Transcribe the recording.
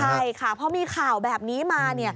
ใช่ค่ะพอมีข่าวแบบนี้มา